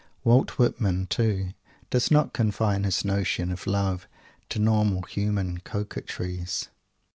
Walt Whitman, too, does not confine his notions of love to normal human coquetries.